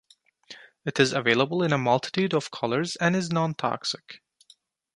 It is available in a multitude of colors and is non-toxic.